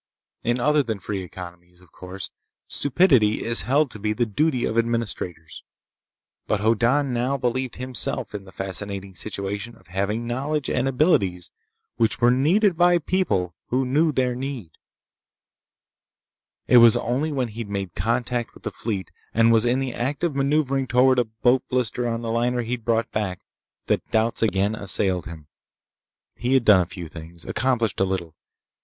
In other than free economies, of course, stupidity is held to be the duty of administrators. But Hoddan now believed himself in the fascinating situation of having knowledge and abilities which were needed by people who knew their need. It was only when he'd made contact with the fleet, and was in the act of maneuvering toward a boat blister on the liner he'd brought back, that doubts again assailed him. He had done a few things—accomplished a little.